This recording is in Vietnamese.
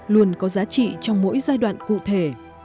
luôn có giá trị trong mỗi giai đoạn cụ thể